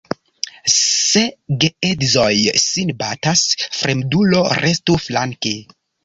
Se geedzoj sin batas, fremdulo restu flanke.